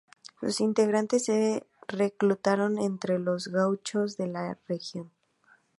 Sus integrantes se reclutaron entre los gauchos de la región.